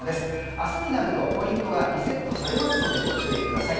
明日になるとポイントがリセットされますのでご注意ください。